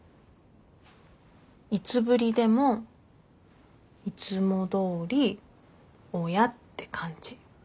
いつぶりでもいつもどおり親って感じ。